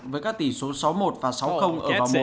với các tỷ số sáu một và sáu ở mức một